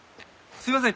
すいません